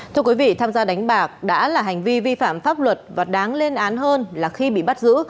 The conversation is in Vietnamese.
thưa quý vị tham gia đánh bạc đã là hành vi vi phạm pháp luật và đáng lên án hơn là khi bị bắt giữ